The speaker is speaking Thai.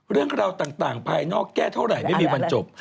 เรื่องราวต่างภายนอกแก้เท่าไหร่ไม่มีวันจบ